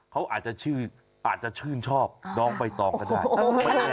เค้าอาจจะอาจจะชื่นชอบร้องใบตองก็ได้